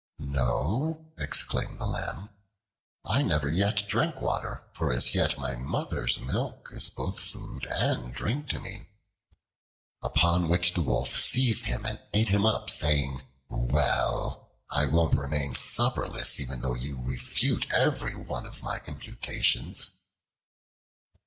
"No," exclaimed the Lamb, "I never yet drank water, for as yet my mother's milk is both food and drink to me." Upon which the Wolf seized him and ate him up, saying, "Well! I won't remain supperless, even though you refute every one of my imputations."